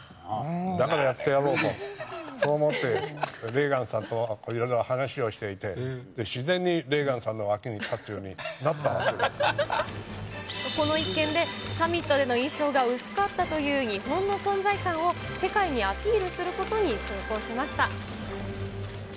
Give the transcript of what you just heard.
だからやってやろうと、そう思って、レーガンさんといろいろ話をしていて、自然にレーガンさんの脇にこの一件で、サミットでの印象が薄かったという日本の存在感を世界にアピールすることに成功しました。